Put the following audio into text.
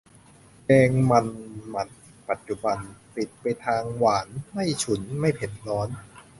แกงมันหมั่นปัจจุบัน ติดไปทางหวาน ไม่ฉุน ไม่เผ็ดร้อน